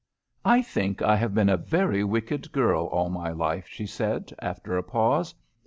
"I think I've been a very wicked girl all my life," she said, after a pause.